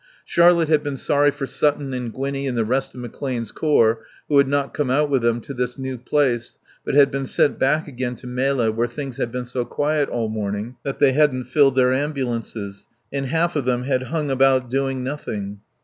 Charlotte had been sorry for Sutton and Gwinnie and the rest of McClane's corps who had not come out with them to this new place, but had been sent back again to Melle where things had been so quiet all morning that they hadn't filled their ambulances, and half of them had hung about doing nothing.